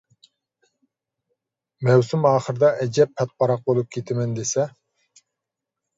مەۋسۇم ئاخىرىدا ئەجەب پاتىپاراق بولۇپ كېتىمەن دېسە.